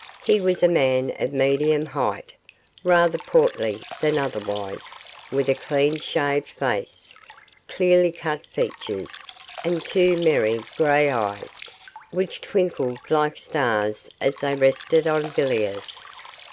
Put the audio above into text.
He was a man of medium height, rather portly than otherwise, with a clean shaved face, clearly cut features, and two merry grey eyes, which twinkled like stars as they rested on Villiers.